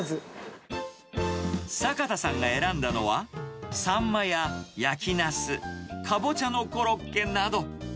坂田さんが選んだのは、サンマや焼きナス、カボチャのコロッケなど。